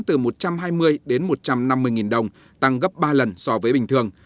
từ một trăm hai mươi một trăm năm mươi nghìn đồng tăng gấp ba lần so với bình thường